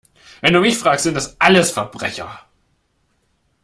Wenn du mich fragst, sind das alles Verbrecher!